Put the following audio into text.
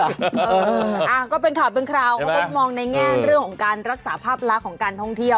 อ่าก็เป็นข่าวเป็นคราวเขาก็มองในแง่เรื่องของการรักษาภาพลักษณ์ของการท่องเที่ยว